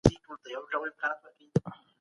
تل دې وي ورورولي.